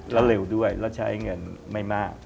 แล้วเร็วด้วยแล้วใช้เงินไม่มาก